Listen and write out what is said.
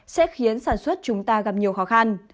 sẽ khiến sản xuất chúng ta gặp nhiều khó khăn